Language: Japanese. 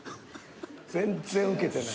全然ウケてない。